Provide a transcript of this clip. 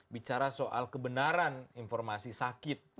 bicara soal kebenaran informasi sakit